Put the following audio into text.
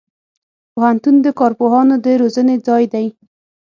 پوهنتون د کارپوهانو د روزنې ځای دی.